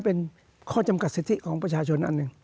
เป็นข้อจำกัดสิทธิของประชาชนอันหนึ่ง